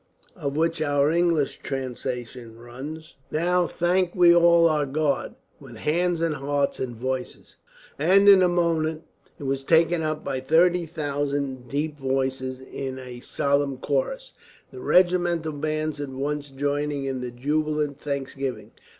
Of which our English translation runs: Now thank we all our God, With hands and hearts and voices. And in a moment it was taken up by 30,000 deep voices, in a solemn chorus, the regimental bands at once joining in the jubilant thanksgiving.